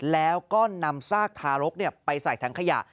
แล้วก็นำซากทารกไปใส่ถังขยะ